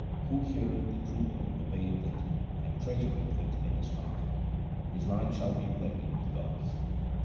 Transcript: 172 THE SIKH RELIGION Who heareth the true Word, obeyeth it, and treasureth it in his heart ; his light shall be blended with God's.